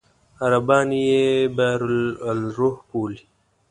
عربان یې بئر الأرواح بولي.